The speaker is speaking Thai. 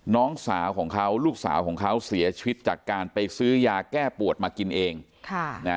น้องสาวของเขาลูกสาวของเขาเสียชีวิตจากการไปซื้อยาแก้ปวดมากินเองค่ะนะ